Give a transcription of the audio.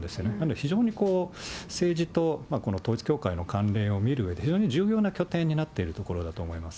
非常に政治と統一教会の関連を見るうえで、非常に重要な拠点になっているところだと思います。